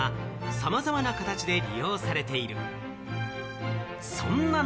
さまざまな形で利用されている。